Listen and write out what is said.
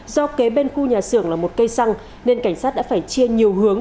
do kế bên khu nhà xưởng là một cây xăng nên cảnh sát đã phải chia nhiều hướng